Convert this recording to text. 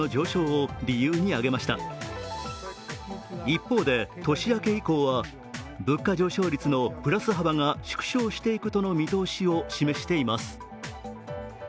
一方で、年明け以降は物価上昇率のプラス幅が縮小していくとの見通しを示しています。